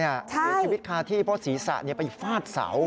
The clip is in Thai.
ใช่เหตุชีวิตฆาที่เพราะศรีษะไปฟาดเสา